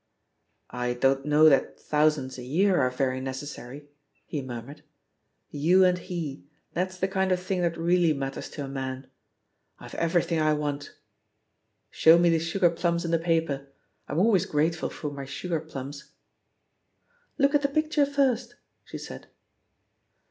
*' '"I don't know that thousands a year are very necessary/' he murmured. "You and he, that's the kind of thing that really matters to a man. I've everything I want. ••. Show me the sugar plums in the paper — I'm always grateful for my sugar plums." "Look at the picture first!" she said.